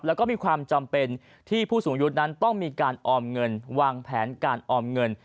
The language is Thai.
แล้วก็มีความจำเป็นที่ผู้สูงอายุนั้นต้องมีการออมเงินวางแผนการออมเงิน